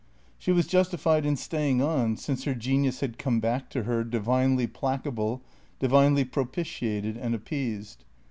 She was justified in staying on, since her genius had come back to her, divinely placable, divinely propitiated and ap peased.